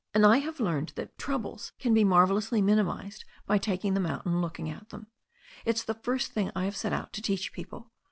And I have learned that troubles can be marvel lously minimized by taking them out and looking at them. It's the first thing I set out to teach people.